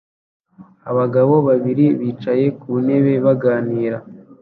Abagabo babiri bicaye ku ntebe baganira